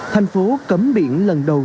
thành phố cấm biển lần đầu